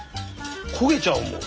焦げちゃうもん。